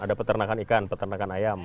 ada peternakan ikan peternakan ayam